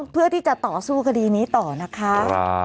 เพื่อที่จะต่อสู้คดีนี้ต่อนะคะ